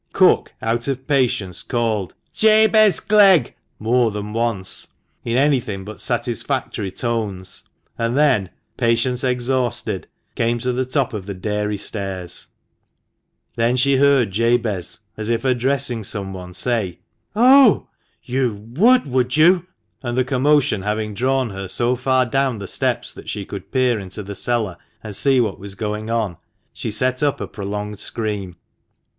Cook, out of patience, called "Jabez Clegg!" more than once, in anything but satisfactory tones ; and then, patience exhausted, came to the top of the dairy stairs. Then she heard Jabez, as if addressing some one, say :'• Oh ! you would, would 82 THE MANCHESTER MAN. you?" and the commotion having drawn her so far down the steps that she could peer into the cellar and see what was going on, she set up a prolonged scream.